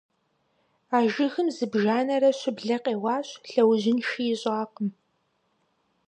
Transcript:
А жыгым зыбжанэрэ щыблэ къеуащ, лъэужьынши ищӀакъым.